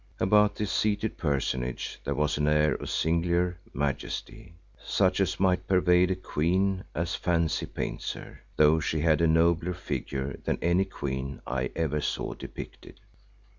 About this seated personage there was an air of singular majesty, such as might pervade a queen as fancy paints her, though she had a nobler figure than any queen I ever saw depicted.